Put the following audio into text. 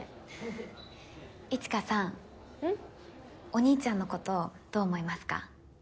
お兄ちゃんのことどう思いますか？